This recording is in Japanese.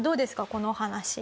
このお話。